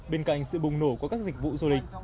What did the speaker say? bên cạnh sự bùng nổ của các dịch vụ du lịch